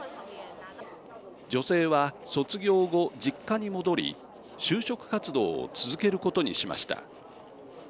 女性は卒業後、実家に戻り就職活動を続けることにしました。